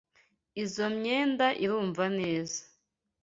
Izoi myenda irumva neza.